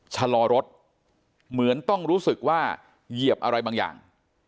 ชะลอรถเหมือนต้องรู้สึกว่าเหยียบอะไรบางอย่าง